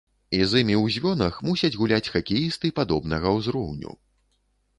І з імі ў звёнах мусяць гуляць хакеісты падобнага ўзроўню.